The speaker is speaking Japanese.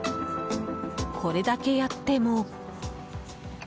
これだけやっても。